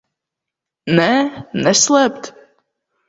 Nē? Neslēpt?